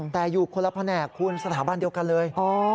แต่อยู่คนละแผนกคุณสถาบันเดียวกันเลย